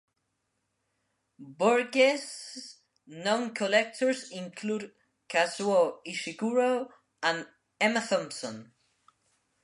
Burgess’ known collectors include Kazuo Ishiguro and Emma Thompson.